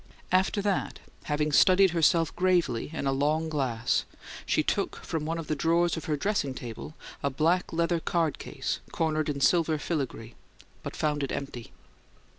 After that, having studied herself gravely in a long glass, she took from one of the drawers of her dressing table a black leather card case cornered in silver filigree, but found it empty.